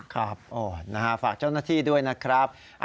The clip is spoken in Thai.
ครับฝากเจ้าหน้าที่ด้วยนะครับ